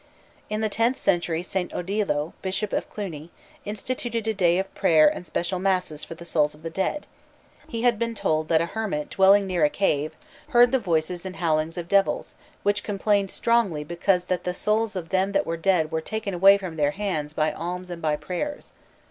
In the tenth century St. Odilo, Bishop of Cluny, instituted a day of prayer and special masses for the souls of the dead. He had been told that a hermit dwelling near a cave "heard the voices and howlings of devils, which complained strongly because that the souls of them that were dead were taken away from their hands by alms and by prayers."